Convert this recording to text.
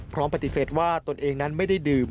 พร้อมปฏิเสธว่าตนเองนั้นไม่ได้ดื่ม